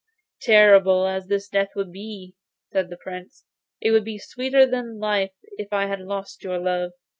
Terrible as this death would be,' added the Prince, 'it would be sweeter than life if I had lost your love.